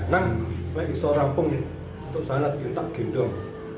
nah saya seorang punggung itu sangat gendong